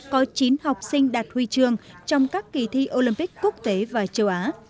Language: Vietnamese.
có chín học sinh đạt huy chương trong các kỳ thi olympic quốc tế và châu á